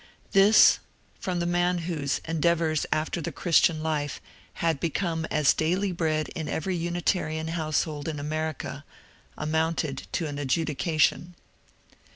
This, from the man whose *^ Endeavours after the Christian Life " had become as daily bread in every Unitarian household in America, amounted to an adjudication.